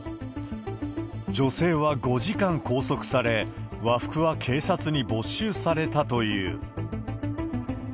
女性は５時間拘束され、和服は警察に没収されたという。